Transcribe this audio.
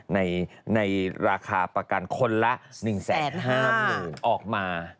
ในราคาประกันคนละ๑๕๐๐๐๐บาทออกมาได้